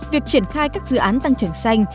việc triển khai các dự án tăng trưởng xanh